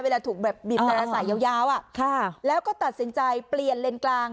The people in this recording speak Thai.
เวลาถูกแบบบีบแตร่ใส่ยาวอะค่ะแล้วก็ตัดสินใจเปลี่ยนเลนกลาง